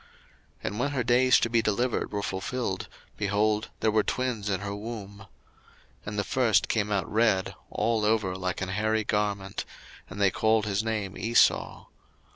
01:025:024 And when her days to be delivered were fulfilled, behold, there were twins in her womb. 01:025:025 And the first came out red, all over like an hairy garment; and they called his name Esau.